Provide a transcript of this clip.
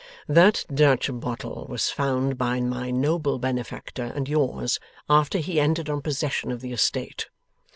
That Dutch bottle was found by my noble benefactor and yours, after he entered on possession of the estate.